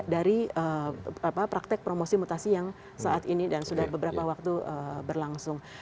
dari praktek promosi mutasi yang saat ini dan sudah beberapa waktu berlangsung